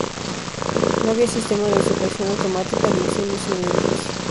No había sistemas de supresión automática de incendios en el edificio.